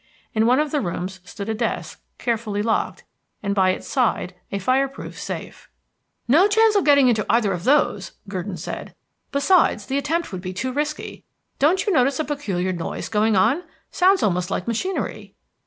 In one of the rooms stood a desk, carefully locked, and by its side a fireproof safe. "No chance of getting into either of those," Gurdon said. "Besides, the attempt would be too risky. Don't you notice a peculiar noise going on? Sounds almost like machinery."